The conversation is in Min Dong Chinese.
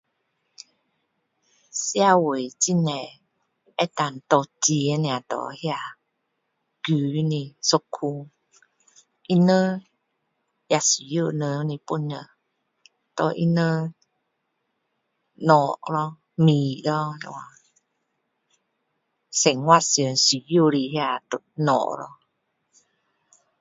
社会很多能够拿钱的啊能够穷的一群他们也需要人的帮助给他们东西咯米咯这样生活上需要的东西咯